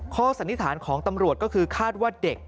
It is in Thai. สันนิษฐานของตำรวจก็คือคาดว่าเด็ก